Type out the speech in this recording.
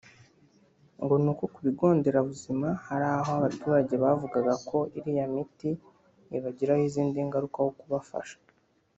ngo ni uko ku bigo nderabuzima hari aho abaturage bavugaga ko iriya miti ibagiraho izindi ngaruka aho kubafasha